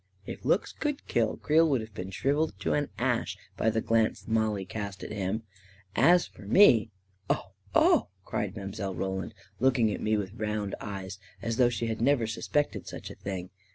If looks could kill, Creel would have been shriv eled to an ash by the glance Mollie cast at him. As for me ..." Oh — oh I " cried Mile. Roland, looking at me with round eyes, as though she had never suspected such a thing.